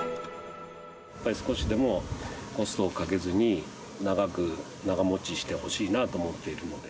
少しでもコストをかけずに、長く、長もちしてほしいなと思っているので。